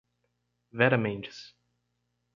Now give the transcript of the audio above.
Vera Mendes